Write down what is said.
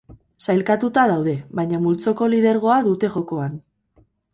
Sailkatuta daude, baina multzoko lidergoa dute jokoan.